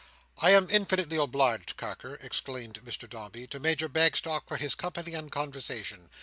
"I am infinitely obliged, Carker," explained Mr Dombey, "to Major Bagstock, for his company and conversation.